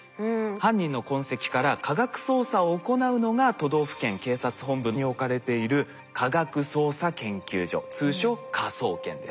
犯人の痕跡から科学捜査を行うのが都道府県警察本部に置かれている科学捜査研究所通称科捜研です。